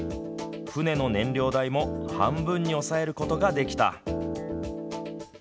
船の燃料代も半分に抑えることができた。